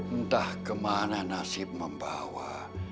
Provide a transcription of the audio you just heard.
entah kemana nasib membawa